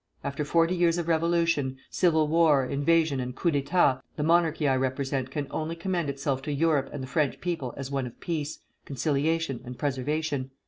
After forty years of revolution, civil war, invasion, and coups d'état, the monarchy I represent can only commend itself to Europe and the French people as one of peace, conciliation, and preservation.